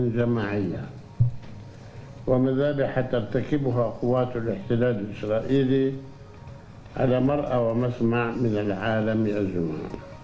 jama'iyah omnidabi hatta kibuha kuatul istiladz israeli ada marah wama semak milik alami azuma